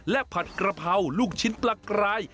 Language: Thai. และผัดกระเพราลูกชิ้นปลากราย